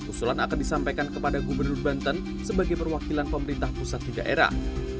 usulan akan disampaikan kepada gubernur banten sebagai perwakilan pemerintah pusat di daerah